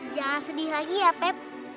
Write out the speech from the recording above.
jangan sedih lagi ya tep